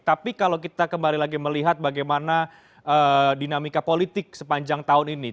tapi kalau kita kembali lagi melihat bagaimana dinamika politik sepanjang tahun ini